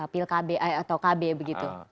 pil kb atau kb begitu